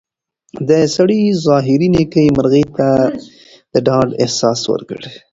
د سړي ظاهري نېکۍ مرغۍ ته د ډاډ احساس ورکړ.